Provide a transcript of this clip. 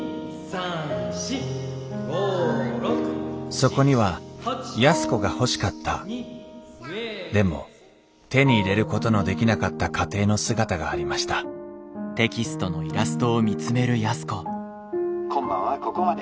そこには安子が欲しかったでも手に入れることのできなかった家庭の姿がありました「今晩はここまで。